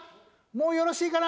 もうよろしいかな？